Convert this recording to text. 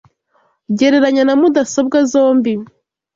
Gereranya na mudasobwa zombi.